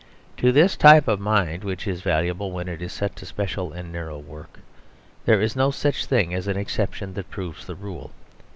To this type of mind (which is valuable when set to its special and narrow work) there is no such thing as an exception that proves the rule.